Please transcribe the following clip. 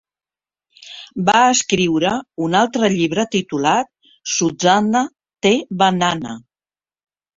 Va escriure un altre llibre titulat "Suzanna the Banana".